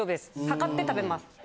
量って食べます。